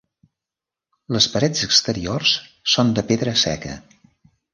Les parets exteriors són de pedra seca.